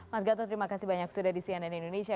mas gatot terima kasih banyak sudah di cnn indonesia